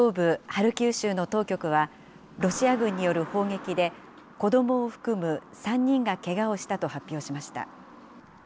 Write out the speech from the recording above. ハルキウ州の当局は、ロシア軍による砲撃で、子どもを含む３人がけがをしたと発表しました。